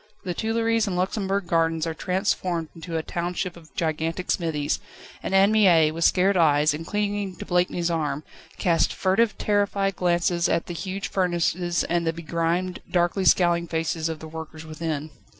The Tuileries and Luxembourg Gardens are transformed into a township of gigantic smithies; and Anne Mie, with scared eyes, and clinging to Blakeney's arm, cast furtive, terrified glances at the huge furnaces and the begrimed, darkly scowling faces of the workers within.